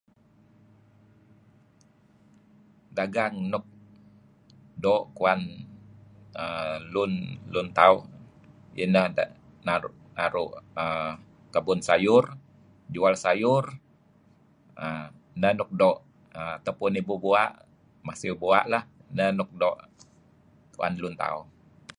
Dagang nuk doo' kuan uhm lun tauh iyeh ineh naru' kebun sayur, jual sayur uhm nh nuk doo' atau pun nibu bua', masiew bua' lah neh nuk doo' kuan lun tauh.